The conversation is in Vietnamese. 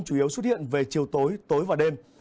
chủ yếu xuất hiện về chiều tối tối và đêm